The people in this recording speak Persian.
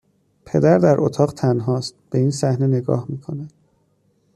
پدر در اتاق تنهاست. به این صحنه نگاه میکند